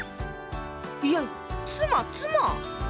いや妻妻！